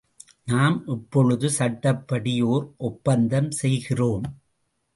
நாம் இப்பொழுது, சட்டப்படி ஓர் ஒப்பந்தம் செய்கிறோம்.